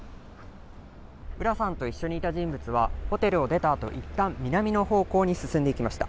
浦さんと一緒にいた人物はホテルを出たあといったん南の方向に進んでいきました。